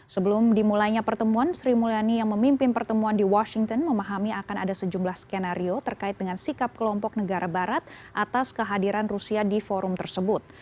sebelum dimulainya pertemuan sri mulyani yang memimpin pertemuan di washington memahami akan ada sejumlah skenario terkait dengan sikap kelompok negara barat atas kehadiran rusia di forum tersebut